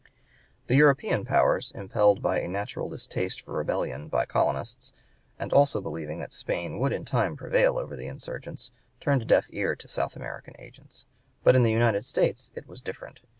The European powers, impelled by a natural distaste for rebellion by colonists, and also believing that Spain would in time prevail over the insurgents, turned a deaf ear to South American agents. But in the United States it was different.